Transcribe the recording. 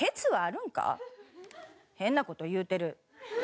変な事言うてる。